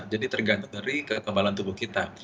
jadi tergantung dari kekebalan tubuh kita